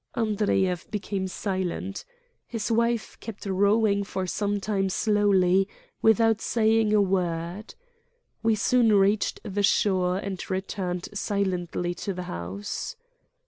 Andreyev became silent. His wife kept rowing for some time slowly, without saying a word. We soon reached the shore and returned silently to the house.